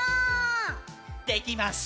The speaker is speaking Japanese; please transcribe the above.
できます。